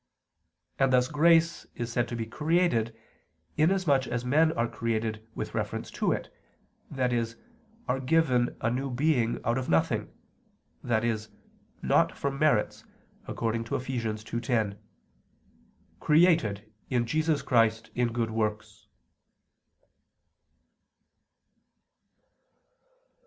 And thus grace is said to be created inasmuch as men are created with reference to it, i.e. are given a new being out of nothing, i.e. not from merits, according to Eph. 2:10, "created in Jesus Christ in good works."